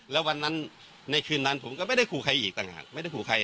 แล้ววันนั้นในคืนนั้นผมก็ไม่ได้ขู่ใครอีกต่างหาก